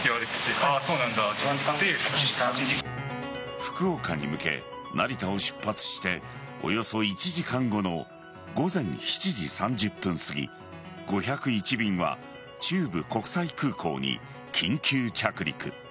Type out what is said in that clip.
福岡に向け、成田を出発しておよそ１時間後の午前７時３０分すぎ５０１便は中部国際空港に緊急着陸。